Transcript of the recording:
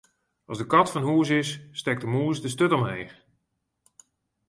As de kat fan hûs is, stekt de mûs de sturt omheech.